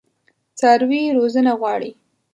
څاروي روزنه غواړي.